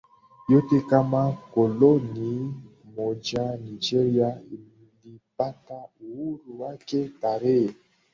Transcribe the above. yote kama koloni mojaNigeria ilipata uhuru wake tarehe